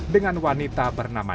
dengan wanita berkandungan